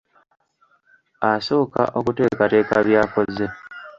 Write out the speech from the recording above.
Asooka okuteekateeka by'akozesa.